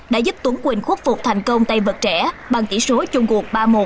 đã giúp tuấn quỳnh khuất phục thành công tay vật trẻ bằng tỷ số chung cuộc ba một